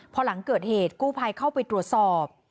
พอหลังเกิดเหตุกู้ภัยเข้าไปตรวจสอบ